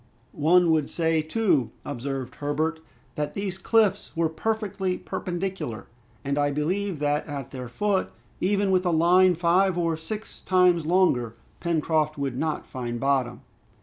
"One would say too," observed Herbert, "that these cliffs were perfectly perpendicular; and I believe that at their foot, even with a line five or six times longer, Pencroft would not find bottom."